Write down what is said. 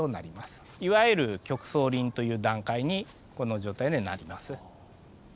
いわゆる極相林という段階にこの状態でなります。